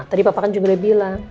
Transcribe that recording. tadi papa kan juga udah bilang